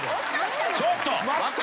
ちょっと。